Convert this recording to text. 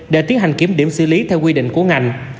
để tiến hành kiểm điểm xử lý theo quy định của ngành